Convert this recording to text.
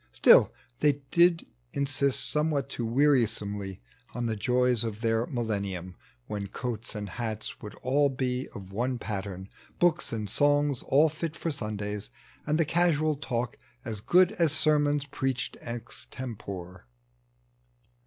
StJU they did insist Somewhat too wearisomely on the joya Of their Millennium, when coats and hats Would all be of one pattern, hooks and songs All fit for Sundays, and the casual talk As good as sermons preached extempore.